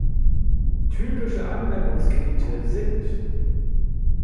Typische Anwendungsgebiete sind